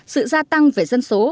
sự gia tăng về dân số